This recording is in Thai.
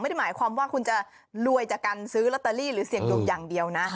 ไม่ได้หมายความว่าคุณจะรวยจากการซื้อลอตเตอรี่หรือเสี่ยงดวงอย่างเดียวนะ